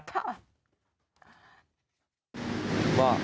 ค่ะ